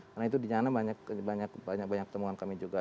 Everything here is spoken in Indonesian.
karena itu di sana banyak banyak temuan kami juga